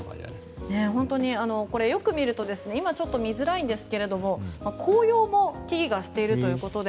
本当に、これよく見ると今は見づらいですが紅葉も木々がしているということで。